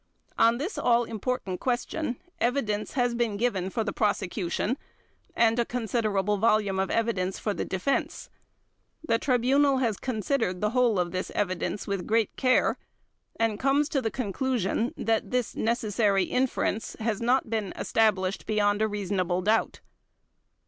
On this all important question evidence has been given for the Prosecution, and a considerable volume of evidence for the Defense. The Tribunal has considered the whole of this evidence with great care, and comes to the conclusion that this necessary inference has not been established beyond a reasonable doubt.